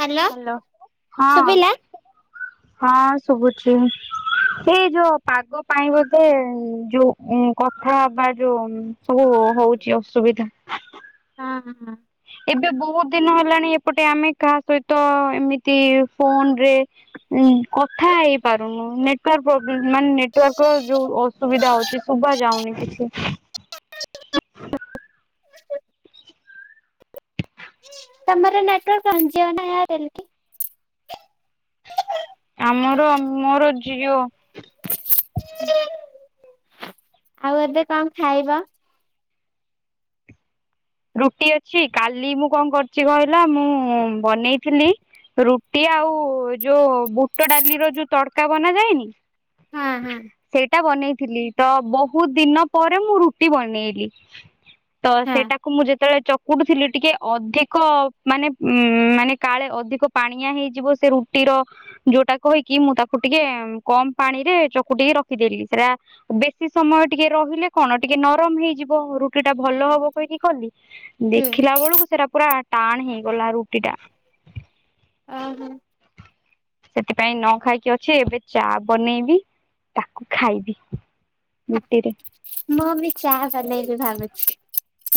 Hello hello ହଁ। ଶୁଭିଲା? ହଁ ଶୁଭୁଚି। ଏଇ ଯୋଉ ପାଗ ପାଇଁ ବୋଧେ ଯୋଉ ଉଁ କଥା ହବା ଯୋଉ ସବୁ ହୋଉଚି ଅସୁବିଧା। ହଁଅଁ। ଏବେ ବୋହୁତ ଦିନ ହେଲାଣି ଏପଟେ ଆମେ କାହା ସହିତ ଏମିତି ଫୋନରେ ଉଁ କଥା ହେଇପାରୁନୁ ନେଟୱାର୍କ ପ୍ରୋବ୍ଲେମ ମାନେ ନେଟୱାର୍କର ଯୋଉ ଓ ଅସୁବିଧା ହୋଉଚି ଶୁଭାଯାଉନି କିଛି। ତମର ନେଟୱର୍କ କଣ ଜିଓ ନା ଏୟାରଟେଲ କି? ଆମର ମୋର ଜିଅ। ଆଉ ଏବେ କଣ ଖାଇବ? ରୁଟି ଅଛି କାଲି ମୁଁ କଣ କରଚି କହିଲ ମୁଁ ବନେଇଥିଲି ରୁଟି ଆଉ ଯୋଉ ବୁଟ ଡାଲିର ଯୋଉ ତଡକା ବନାଯାଏନି ହଁ ହଁ [inaudible] ସେଇଟା ବନେଇଥିଲି ତ ବୋହୁତ ଦିନ ପରେ ମୁଁ ରୁଟି ବନେଇଲି। ତ ହଁ ସେଇଟାକୁ ମୁଁ ଯେତୋଳେ ଚକୁଟୁଥିଲି ଟିକେ ଅଧିକ ମାନେ ଉଁ ମାନେ କାଳେ ଅଧିକ ପାଣିଆ ହେଇଯିବ ସେ ରୁ ଟିର ଯୋଉଟା କହିକି ମୁଁ ତାକୁ ଟିକେ କମ ପାଣିରେ ଚକୁଟିକି ରଖିଦେଲି ସେଟା ବେଶୀ ସମୟ ଟିକେ ରହିଲେ କଣ ଟିକେ ନରମ ହେଇଯିବ ରୁଟିଟା ଭଲ ହବ କହିକି କଲି ହୁଁ ଦେଖିଲା ବେଳକୁ ସେଟା ପୁରା ଟାଣ ହେଇଗଲା ରୁଟିଟା। ଓହୋ। ସେଥିପାଇଁ ନ ଖାଇକି ଅଛି ଏବେ ଚା ବନେଇବି ତାକୁ ଖାଇବି। ରୁଟିରେ। ମୁଁ ବି ଚାହା ବନେଇବି ଭାବୁଛି।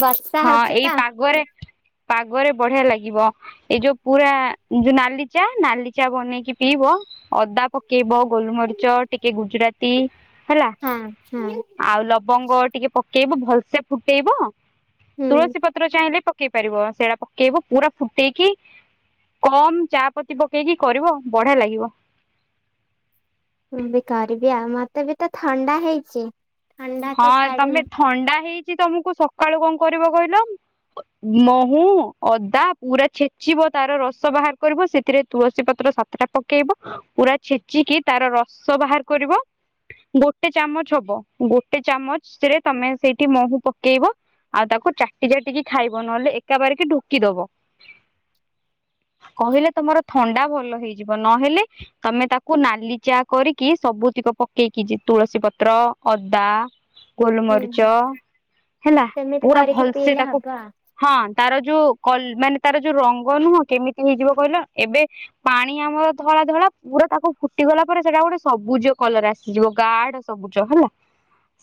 ବର୍ଷା ହଁ ହଉଛି ଏଇ ତ ପାଗରେ ପାଗରେ ବଢିଆ ଲାଗିବ। ଏଇ ଯୋଉ ପୁରା ଯୋଉ ନାଲି ଚା ନାଲି ଚା ବନେଇକି ପିଇବ ଅଦା ପକେଇବ ଗୋଲମରିଚ ଟିକେ ଗୁଜୁରାତି ହେଲା। ହଁ ହଁ। ଆଉ ଲବଙ୍ଗ ଟିକେ ପକେଇବ ଭଲସେ ଫୁଟେଇବ। ହୁଁ ତୁଳସୀ ପତ୍ର ଚାହିଁଲେ ପକେଇ ପାରିବ ସେଇଟା ପକେଇବ ପୁରା ଫୁଟେଇକି କମ୍ ଚା ପତି ପକେଇକି କରିବ ବଢିଆ ଲାଗିବ। ମୁଁ ବି କରିବି ଆଉ ମତେ ବି ତ ଥଣ୍ଡା ହେଇଚି। ହଁ ତମେ ଥଣ୍ଡା ହେଇଚି ତମୁକୁ ସକାଳୁ କଣ କରିବ କହିଲ ମହୁ, ଅଦା ପୁରା ଛେଚିବ ତାର ରସ ବାହାର କରିବ ସେଥିରେ ତୁଳସୀପତ୍ର ସା ତଟା ପକେଇବ ପୁରା ଛେଚିକି ତାର ରସ ବାହାର କରିବ। ଗୋଟେ ଚାମଚ ହବ ଗୋଟେ ଚାମଚରେ ତମେ ସେଇଠି ମୋହୁ ପକେଇବ। ଆଉ ତାକୁ ଚାଟି ଚାଟିକି ଖାଇବ ନହେଲେ ଏକାବାରକେ ଢୋକି ଦବ। କହିଲେ ତମର ଥଣ୍ଡା ଭଲ ହେଇଯିବ ନହେଲେ ତମେ ତାକୁ ନାଲି ଚାଆ କରିକି ସବୁତିକ ପକେଇକି ଯି ତୁଳସୀ ପତ୍ର ଅ ଅଦା, ହୁଁ ହୁଁ ଗୋଲମରିଚ ହେଲା ସେମିତି ପୁରା କରିକି ଭଲସେ ପିଇଲେ ତାକୁ ହବ ଆଉ ହଁ ତାର ଯୋଉ କଲ୍ ମାନେ ତାର ଯୋଉ ରଙ୍ଗ ନୁହଁ କେମିତି ହେଇଯିବ କହିଲ ଏବେ ପାଣି ଆମର ଧଳା ଧଳା ପୁରା ତାକୁ ଫୁଟିଗଲା ପରେ ସେଟା ଗୋଟେ ସବୁଜ କଲର ଆସିଯିବ ଗାଢ଼ ସବୁଜ ହେଲା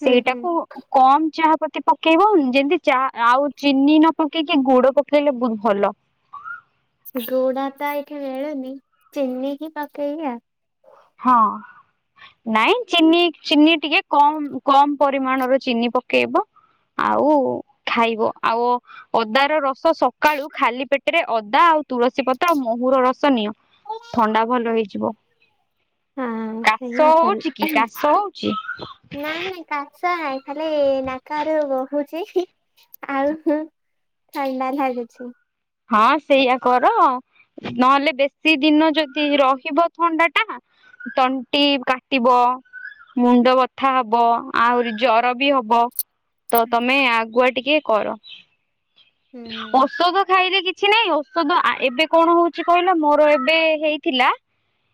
ହୁଁ ହୁଁ। ସେଇଟାକୁ କମ୍ ଚାହା ପତି ପକେଇବ ଯେନ୍ତି ଚା ଆଉ ଚିନି ନ ପକେଇକି ଗୁଡ ପକେଇଲେ ବୋହୁତ ଭଲ। ଗୁଡ ତ ଏଇଠି ମିଳୁନି ଚିିନିକି ପକେଇବି ଆଉ। ହଁ। ନାଇଁ ଚିନି ଚିନି ଟିକେ କମ୍ କମ୍ ପରିମାଣର ଚିନି ପକେଇବ। ଆଉ ଖାଇବ ଆଉ। ଅଦାର ରସ ସକାଳୁ ଖାଲି ପେଟେରେ ଅଦା ଆଉ ତୁଳସୀ ପତ୍ର ଆଉ ମହୁର ରସ ନିଅ। ଥଣ୍ଡା ଭଲ ହେଇଯିବ। ହଁ କାଶ ସେଇଆ କାଲି ହଉଛି କି କାଶ ହଉଛି ନାଇଁ ନାଇଁ। କାଶ ନାଇଁ ଖାଲି ନାକରୁ ବହୁଛି ଆଉ। ଥଣ୍ଡା ଝାଡୁଛି। ହଁ ସେଇଆ କର ନହେଲେ ବେଶୀ ଦିନ ଯଦି ରହିବ ଥଣ୍ଡାଟା। ତଣ୍ଟି କାଟିବ। ମୁଣ୍ଡ ବଥା ହବ ଆହୁରି ଜର ବି ହବ। ତ ତମେ ଆଗୁଆ ଟିକେ କର ହୁଁ ଔଷଧ। ଖାଇଲେ କିଛି ନାଇଁ ଔଷଧ ଆ ଏବେ କଣ ହଉଚି କହିଲ ମୋର ଏବେ ହେଇଥିଲା।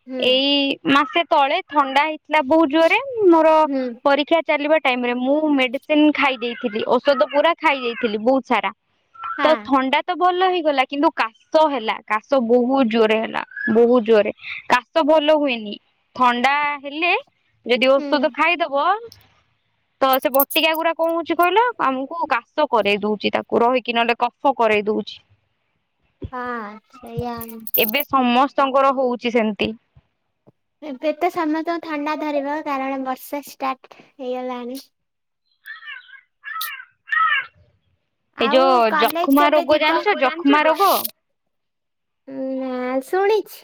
ହୁଁ ଏଇ ମାସେ ତଳେ ଥଣ୍ଡା ହେଇଥିଲା ବହୁତ ଜୋରେ ମୋର ହୁଁ ପରୀକ୍ଷା। ଚାଲିବା ଟାଇମରେ ମୁଁ ମେଡିସିନ ଖାଇ ଦେଇଥିଲି ଔଷଧ ପୁରା ଖାଇ ଦେଇଥିଲି ବହୁତ ସାରା। ତ ହଁ। ଥଣ୍ଡା ତ ଭଲ ହେଇଗଲା କିନ୍ତୁ କା ଶ ହେଲା କାଶ ବହୁତ ଜୋରେ ହେଲା ବହୁତ ଜୋରେ କାଶ ଭଲ ହୁଏନି। ଥଣ୍ଡା ହେଲେ ଯଦି ହୁଁ ଓଷଧ ଖାଇଦବ। ତ ସେ ବଟିକା ଗୁରା କଣ ହଉଛି କହିଲ ଆମୁକୁ କାଶ କରେଇ ଦଉଛି ତାକୁ ରହିକି ନହେଲେ କଫ କରେଇଦଉ ହଁ ସେଇଆ ଏବେ ସମସ୍ତଙ୍କର ହଉଛି ସେମତି। ଏବେ ତ ସମସ୍ତଙ୍କୁ ଥଣ୍ଡା ଧରିବ କାରଣ ବର୍ଷା ଷ୍ଟାର୍ଟ ହେଇଗଲାଣି। ଏଇ ଆଉ ଯୋଉ କଲେଜ ଯକ୍ଷ୍ମା କେବେ ରୋଗ ଯିବ। ଜାଣିଛ ଉଁ ଯକ୍ଷ୍ମା ରୋଗ ଶୁଣିଛି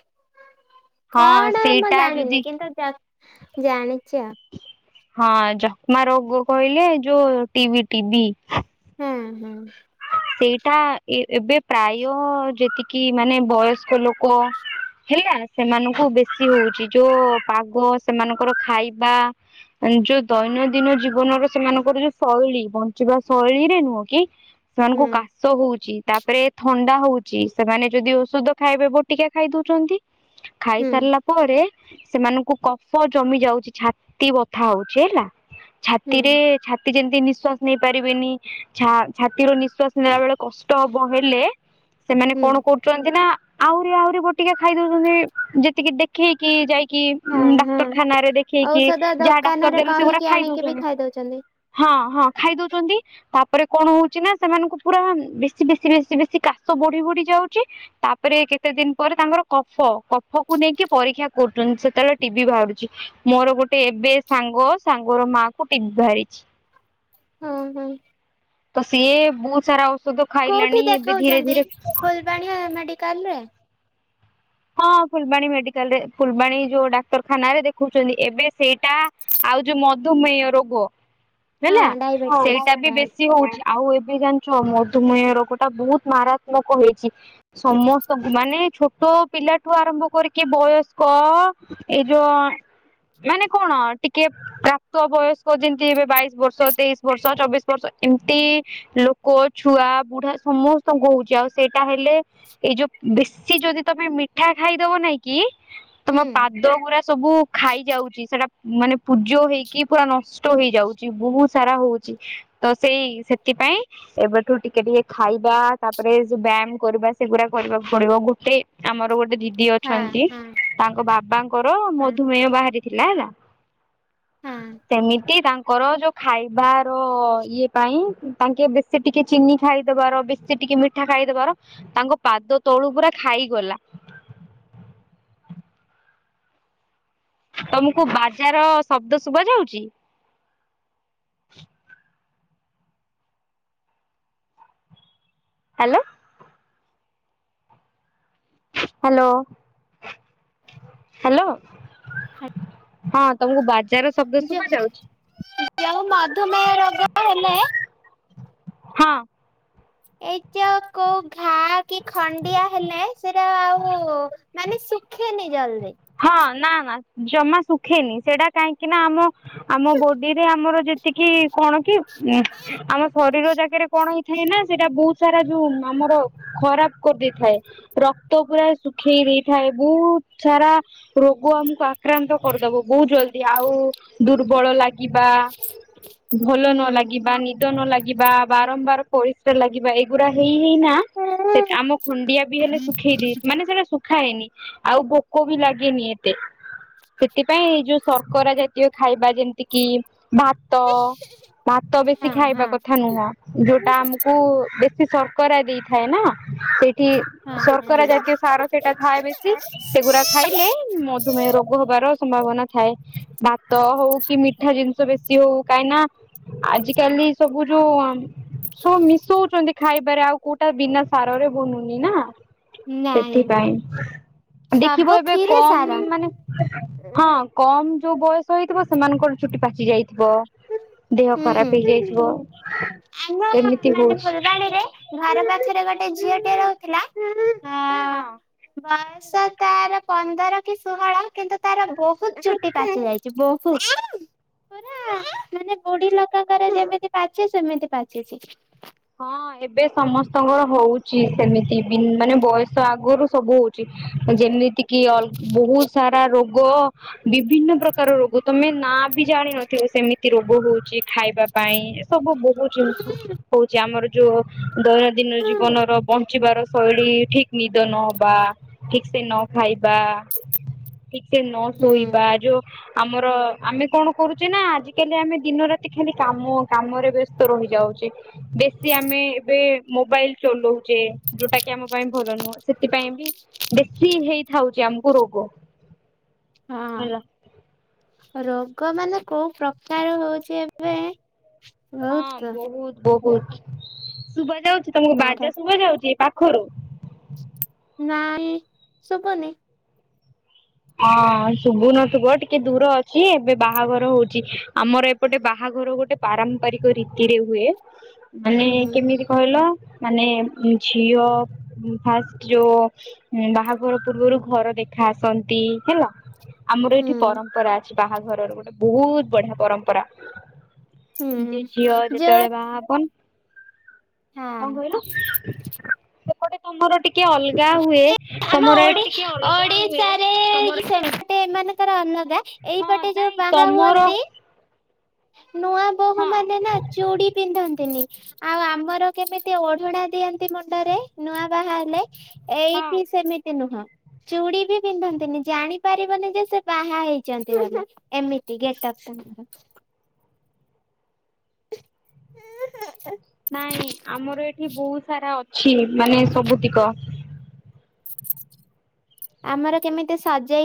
ହଁ କଣ ମୁଁ ସେଇଟା ଯଦି ଜାଣିନି କିନ୍ତୁ ଜାଣିଚି ଆଉ। ହଁ ଯକ୍ଷ୍ମା ରୋଗ କହିଲେ ଯୋଉ ଟିଭି ଟିବି। ହୁଁ ହୁଁ। ସେଇଟା ଏବେ ପ୍ରାୟ ଯେତିକି ମାନେ ବୟସ୍କ ଲୋକ ହେଲା। ସେମାନଙ୍କୁ ବେଶୀ ହଉଚି ଯୋଉ ପାଗ ସେମାନଙ୍କର ଖାଇବା। ଏଁ ଯୋଉ ଦୈନନ୍ଦିନ ଜୀବନର ସେମାନଙ୍କର ଯୋଉ ଶୈଳୀ ବଞ୍ଚିବା ଶୈଳୀରେ ନୁହଁ କି। ସେମାନଙ୍କୁ ହୁଁ। କାଶ ହଉଛି ତାପରେ। ଥଣ୍ଡା ହଉଚି ସେମାନେ ଯଦି ଔଷଧ ଖାଇବେ ବଟିକା ଖାଇ ଦେଉଛନ୍ତି। ହୁଁ ଖାଇସାରିଲା ପରେ। ସେମାନଙ୍କୁ କଫ ଜମି ଯାଉଛି ଛାତି ବଥା ହଉଛି ହେଲା। ହୁଁ ଛାତିରେ ଛାତି ଯେନ୍ତି ନିଶ୍ଵାସ ନେଇ ପାରିବେନି ଛା ଛାତି। ଛାତିରେ ନିଶ୍ୱାସ ନେଲା ବେଳେ କଷ୍ଟ ହବ ହେଲେ ସେମାନେ ହୁଁ କଣ କରୁ ଛନ୍ତି ନା ଆହୁରି ଆହୁରି ବଟିକା ଖାଇ ଦଉଛନ୍ତି ଯେତିକି ଦେଖେଇକି ଯାଇକି। କି ହଁ ହଁ ଡାକ୍ତରଖାନ ରେ ଦେଖେଇକି ଔଷଧ ଯାହା ଡାକ୍ତର ଦୋକାନରେ ଦେଲେ ସେ ଗୁରା କହିକି ଖାଇ ଆଣିକି ବି ଦଉଛନ୍ତି। ଖାଇ ଦଉଛନ୍ତି। ହଁ ହଁ ଖାଇ ଦଉଛନ୍ତି ତାପରେ କଣ ହଉଛି। ହଉଛି ନା ସେମାନଙ୍କୁ ପୁରା ବେଶୀ ବେଶୀ ବେଶୀ ବେଶୀ କାଶ ବଢି ବଢି ଯାଉଛି। ତାପରେ କେତେ ଦିନ ପରେ ତାଙ୍କର କଫ କଫକୁ ନେଇକି ପରୀକ୍ଷା କରୁଛନ୍ତି ସେତେବେଳେ ଟି ବି ବାହାରୁଛି। ମୋର ଗୋଟେ ଏବେ ସାଙ୍ଗ ସାଙ୍ଗର ମା କୁ ଟି ବି ବାହାରିଛି। ହୁଁ ହୁଁ। ତ ସିଏ ବହୁତ ସାରା ଔଷଧ ଖାଇଲାଣି ଏବେ ଧୀରେ ଧୀରେ। ବାଣୀ ମେଡିକାଲ ରେ। ହଁ ଫୁଲବାଣୀ ମେଡିକାଲ ରେ ଫୁଲବାଣୀ ଯୋଉ ଡାକ୍ତରଖାନ ରେ ଦେଖୁଉଛନ୍ତି ଏବେ ସେଇଟା। ଆଉ ଯୋଉ ମଧୁମେହ ରୋଗ ହଁ ହେଲା ଡାଇବେଟିସ୍ ସେଇଟା ବି ଟା ବେଶୀ। ହଉଛି ଆଉ ଏବେ ଜାଣିଛ ମଧୁମେହ ରୋଗ ଟା ବହୁତ ମାରାତ୍ମକ ହେଇଛି। ସମସ୍ତଙ୍କୁ ମାନେ ଛୋଟ। ପିଲା ଠୁ ଆରମ୍ଭ କରିକି ବୟସ୍କ ଏଇ ଯୋଉ ଆଁ। ମାନେ କଣ ଟିକେ। ପ୍ରାପ୍ତ ବୟସ୍କ ଯେନ୍ତି ଏବେ ବାଇଶି ବର୍ଷ ତେଇଶି ବର୍ଷ ଚବିଶ ବର୍ଷ ଏମ୍ତି ଲୋକ ଛୁଆ ବୁଢା ସମସ୍ତଙ୍କୁ ହଉଛି ଆଉ ସେଇଟା ହେଲେ ଏଇ ଯୋଉ ବେଶୀ ଯଦି ତମେ ମିଠା ଖାଇଦବ ନାଇଁ କି ହୁଁ ତମ ପା ପାଦ ଗୁରା ସବୁ ଖାଇଯାଉଚି ସେଟା ମାନେ ପୂଜ ହେଇକି ପୁରା ନଷ୍ଟ ହେଇଯାଉ ଚି ବହୁତ୍ ସାରା ହଉଚି ତ ସେଇ ସେଥିପାଇଁ ଏବେଠୁ ଟିକେ-ଟିକେ ଖାଇବା ତାପରେ [unintelligible] ବ୍ୟାୟାମ କରିବା ସେଗୁଡା କରିବାକୁ ପଡିବ ଗୋଟେ ଆମର ଗୋଟେ ଦିଦି ହଁ ଅଛନ୍ତି ହଁ ତାଙ୍କ ବାବାଙ୍କର ହଁ ମଧୁମେୟ ବାହାରି ଥିଲା ହେଲା ହଁ ସେମିତି ତାଙ୍କର ଯୋଉ ଖାଇବାର ଇଏ ପାଇଁ ତାଙ୍କେ ବେଶୀ ଟିକେ ଚିନି ଖାଇଦବାର ବେଶୀ ଟିକେ ମି ଠା ଖାଇଦବାର ତାଙ୍କ ପାଦତଳୁ ପୁରା ଖାଇଗଲା। ତମୁକୁ ବାଜାର ଶବ୍ଦ ଶୁଭା ଯାଉଚି? ହାଲୋ। ହାଲୋ-ହାଲୋ। ହଁ ତମୁକୁ ବାଜାର ଶବ୍ଦ ଯେ ଶୁଭା ଯାଉଚି? ଯୋଉ ମାଧୁମେୟ ରୋଗ ହେଲେ ହଁ। ଏଇ ଯଉ କୋଉ ଘା କି ଖଣ୍ଡିଆ ହେଲେ ସେଟା ଆଉ ମାନେ ଶୁଖେନି ଜଲ୍ଦି। ହଁ ନା-ନା ଜମା ଶୁଖେନି ସେଟା କାହିଁକି ନା ଆମ-ଆମ ବଡିରେ ଆମର ଯେ ଏତିକି କଣ କି ଉଁ ଆମ ଶରୀର ଜାଗାରେ କଣ ହେଇ ଥାଏ ନା ସେଇଟା ବହୁତ୍ ସାରା ଯୋଉ ଆମର ଖରାପ୍ କରିଦେଇଥାଏ। ରକ୍ତ ପୁରା ଶୁଖେଇ ଦେଇଥାଏ, ବହୁତ୍ ସାରା ରୋଗ ଆମକୁ ଆକ୍ରାନ୍ତ କରିଦବ ବହୁତ୍ ଜଲ୍ଦୀ, ଆଉ ଦୁର୍ବଳ ଲାଗିବା ଭଲ ନ ହୁଁ। ଲାଗିବା, ନିଦ ନ ଲାଗିବା, ବାରମ୍ବାର ପ୍ରରିସା ଲାଗିବା ଏ ପୁରା ହେଇ ହେଇନା ସେ ହଁ ଆମ ଖଣ୍ଡିଆ ବି ହେଲେ ଶୁଖେଇଦେ ମାନେ ସେଟା ଶୁ ଖାଏନି ଆଉ ପୋକ ବି ଲାଗେ ଦିଏନି ଏତେ, ସେଥିପାଇଁ ଏଇ ଯୋଉ ଶର୍କରା ଜାତୀୟ ଖାଇବା ଯେମ୍ତି କି ଭା ତ ଭାତ ବେଶୀ ଖାଇବା କଥା ନୁହଁ, ଯୋଉଟା ଆମକୁ ବେ ସି ଶର୍କରା ଦେଇଥାଏ ନା ସେ ଠି ଶର୍କରା ଜାତୀୟ ସାର ସେଇଟା ଥାଏ ବେଶୀ, ସେଗୁରା ଥିଲେ ମଧୁମେୟ ରୋଗ ହବାର ସମ୍ଭାବନା ଥାଏ, ଭାତ ହଉ କି ମି ଠା ଜିନିଷ ବେଶି ହଉ କାଇଁନା ଆଜି କାଲି ସବୁ ଯୋଉ ସବୁ ମିଶଉଚନ୍ତି ଖାଇବାରେ ଆଉ କୋଉଟା ବିନା ସାରରେ ବନୁନି ନା। ନାଇଁ ସେଥିପାଇଁ ଦେଖିବ ଏବେ ସବୁଥିରେ କମ୍ ସାର। ମାନେ ହଁ କମ୍ ଯୋଉ ବୟସ ହେଇଥିବ ସେମାନଙ୍କର ଛୁଟି ପାଚି ଯାଇଥିବ। ଦେହ ଖରାପ ହୁଁ ହେଇଯାଇଥିବ, ଆମ ସେମିତି ମାନେ ହଉଛି। ଫୁଲବାଣୀରେ ଘର ପାଖେରେ ଗୋଟେ ଝିଅଟିଏ ରହୁଥିଲା। ହଁ। ବୟ ସ ତାର ପନ୍ଦର କି ଷୋହଳ କିନ୍ତୁ ତାର ବହୁତ୍ ଚୁଟି ପାଚି ଯାଇଚି ବହୁତ୍। ମାନେ ବୁଢୀ ଲୋକଙ୍କର ଯେମିତି ପାଚେ ସେମିତି ପାଚିଚି। ହଁ ଏବେ ସମସ୍ତଙ୍କର ହଉଚି ସେମିତି ବି ମାନେ ବୟସ ଆଗରୁ ସବୁ ହଉ ଚି ଯେମିତି କି ଅଲ୍ ବହୁତ୍ ସାରା ରୋଗ ବିଭିନ୍ନ ପ୍ରକାର ରୋଗ ତମେ ନାଁ ବି ଜାଣିନଥିବ ସେମିତି ରୋଗ ହଉଚି, ଖାଇବା ପାଇଁ ଏସବୁ ବହୁତ୍ ଜିନିଷ ହଉଚି ଆମର ଯୋଉ ଦୈନନ୍ଦିନ ଜୀବନର ବଞ୍ଚିବାର ଶୈଳୀ ଠିକ୍ ନିଦ ନହବା ଠିକ୍ସେ ନ ଖାଇବା ଠିକ୍ସେ ନ ହୁଁ ଶୋଇବା ଯୋଉ ଆମର ଆମେ କଣ କରୁଚେ ନା ଆଜିକାଲି ଆମେ ଦିନ ରାତି ଖାଲି କାମ କାମରେ ବ୍ୟସ୍ତ ରହିଯାଉଚେ। ବେଶୀ ଆମେ ଏବେ ମୋବାଇଲ ଚଲଉଛେ ଯୋଉଟା କି ଆମ ପାଇଁ ଭଲ ନୁହଁ ସେଥିପାଇଁ ବି ବେଶୀ ହେଇଥାଉଛି ଆମକୁ ରୋଗ। ହେଲା ହଁ ରୋଗ ମାନେ କୋଉ ପ୍ରକାର ହଉଛି ଏବେ। ହଁ ବହୁତ ବହୁତ ବହୁତ ଶୁଭ ଯାଉଛି ତମକୁ ମାର ବାଜା ଶୁଭ ଯାଉଛି ପାଖରୁ। ନାଇଁ ସଭନ। ହଁ ଶୁଭୁନ ଶୁଗ ଟିକେ ଦୂର ଅଛି ଏବେ ବାହାଘର ହଉଛି ଆମର। ଗୋଟେ ବାହାଘର ଗୋଟେ ପାରମ୍ପରିକ ରୀତିରେ ହୁଏ ମାନେ ହୁଁ କେମିତି କହିଲ। ମାନେ ଝିଅ ଫାଷ୍ଟ ଯେଉଁ ହଁ ବାହାଘର ପୂର୍ବରୁ ଘର ଦେଖା ଆସନ୍ତି ହେଲା ଆମର ହୁଁ ଏଠି ପରମ୍ପରା ଅ ବାହାଘରର ଗୋଟେ ବହୁତ ବଢିଆ ପରମ୍ପରା ଯି ହୁଁ ଝିଅ ଯୋଉ ଯେତେବେଳେ ବାହାପ ହଁ କଣ କହିଲ ସେପଟେ ତମର ଟିକେ ଅଲଗା ହୁଏ ଆମ ତମର ଏ ଓଡି ଓଡିଶାରେ ସେପଟେ ଏ ମଙ୍କର ଅଲଦା ହଁ ଏଇପଟେ ଯୋଉ ନାଇଁ ବାହା ତମର ହୁଅନ୍ତି ନୂଆ ବୋହୂ ହଁ ମାନେ ନା ଚୁଡ଼ି ପିନ୍ଧନ୍ତିନି ଆଉ ଆମର କେମିତି ଓଢଡା ଦିଅନ୍ତି ମୁଣ୍ଡରେ ନୂଆ ବାହା ହେଲେ। ହଁ ଏଇଠି ସେମିତି ନୁହଁ। ଚୁଡି ବି ପିନ୍ଧନ୍ତିନି ଜାଣି ପାରିବନି ଯେ ସେ ବାହା ହେଇଛନ୍ତି ଗଲା ଏମିତି ଗେଟ ଆକ୍ତାନ ହଁ। ନାଇଁ ଆମର ଏଠି ବହୁତ ସାରା ଅଛି ମାନେ ସବୁତିକ ଆମର କେମିତି ସଜେଇ।